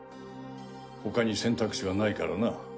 他に選択肢はないからな。